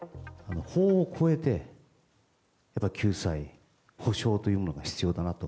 法を超えて、やっぱり救済、補償というものが必要だなと。